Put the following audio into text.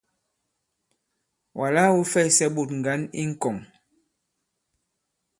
Wàla wū fɛysɛ ɓôt ŋgǎn i ŋ̀kɔ̀ŋ.